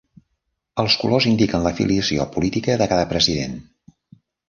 Els colors indiquen l'afiliació política de cada president.